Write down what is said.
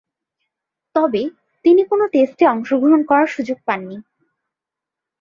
তবে, তিনি কোন টেস্টে অংশগ্রহণ করার সুযোগ পাননি।